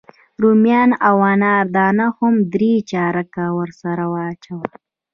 رومیان او انار دانه هم درې چارکه ورسره واچوه.